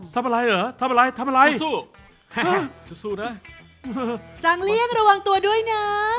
ทำอะไรทำอะไรชักสู้นะจังเลี้ยงระวังตัวด้วยนะ